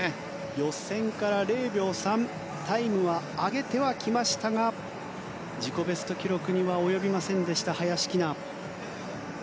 予選から０秒３タイムを上げてはきましたが自己ベスト記録には及びませんでした、林希菜。